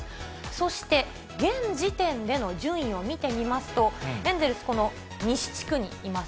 そして、現時点での順位を見てみますと、エンゼルス、この西地区にいます。